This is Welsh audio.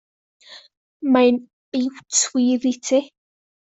Mae'n biwt, wir i ti.